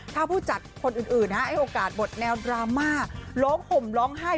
ถ้าผู้จัดคนอื่นให้โอกาสบทแนวดราม่าร้องห่มร้องไห้